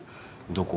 どこ？